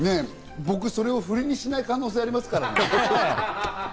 僕、それを振りにしない可能性ありますからね。